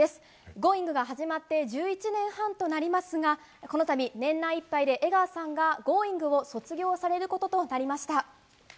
「Ｇｏｉｎｇ！」が始まって１１年半となりますがこの度、年内いっぱいで江川さんが「Ｇｏｉｎｇ！」を卒業されることとなりました。